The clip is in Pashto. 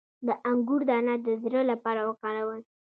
د انګور دانه د زړه لپاره وکاروئ